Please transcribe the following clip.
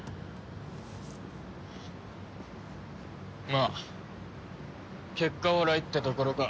まあ結果オーライってところか。